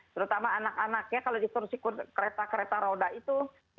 terutama anak anaknya kalau di kursi kereta kereta roda itu